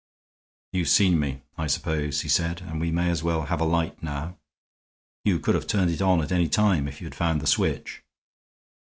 "You've seen me, I suppose," he said, "and we may as well have a light now. You could have turned it on at any time, if you'd found the switch."